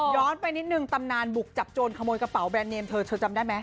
ไปนิดนึงตำนานบุกจับโจรขโมยกระเป๋าแบรนดเนมเธอเธอจำได้ไหม